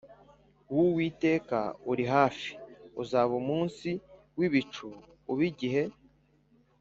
w Uwiteka uri hafi uzaba umunsi w ibicu ube igihe